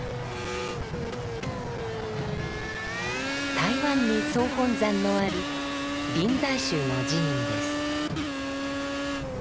台湾に総本山のある臨済宗の寺院です。